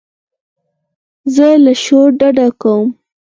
زه له شور ډډه کوم.